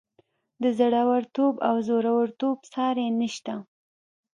د زړه ورتوب او زورورتوب ساری نشته.